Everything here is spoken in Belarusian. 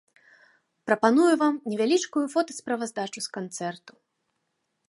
Прапаную вам невялічкую фота-справаздачу с канцэрту.